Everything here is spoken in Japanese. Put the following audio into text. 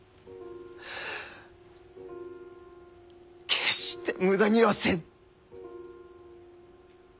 決して無駄にはせぬ！